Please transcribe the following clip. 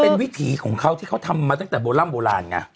เป็นวิถีของเขาที่เขาทำมาตั้งแต่โบร่ำโบราณไง